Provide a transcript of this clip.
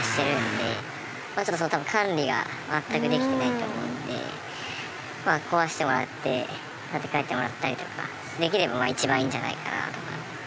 多分管理が全くできてないと思うのでまあ壊してもらって建て替えてもらったりとかできれば一番いいんじゃないかなとか。